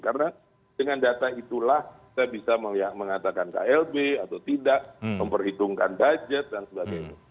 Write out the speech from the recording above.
karena dengan data itulah saya bisa mengatakan klb atau tidak memperhitungkan budget dan sebagainya